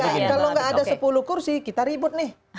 kalau nggak ada sepuluh kursi kita ribut nih